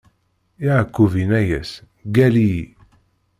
Yeɛqub inna-as: Gall-iyi!